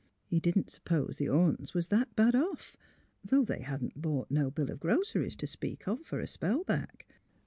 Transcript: He didn't suppose the Ornes was that bad off, — though they hadn't bought no bill of groceries to speak of for a spell back.